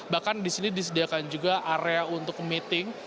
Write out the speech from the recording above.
bahkan di sini disediakan juga area untuk meeting